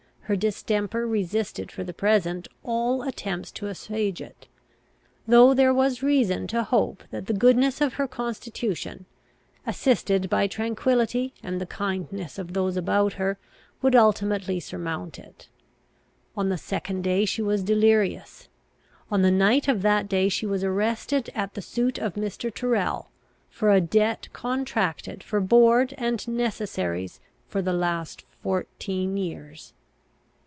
Her distemper resisted for the present all attempts to assuage it, though there was reason to hope that the goodness of her constitution, assisted by tranquillity and the kindness of those about her, would ultimately surmount it. On the second day she was delirious. On the night of that day she was arrested at the suit of Mr. Tyrrel, for a debt contracted for board and necessaries for the last fourteen years.